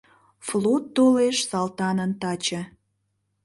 Флот толеш Салтанын таче.